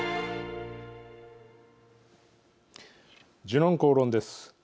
「時論公論」です。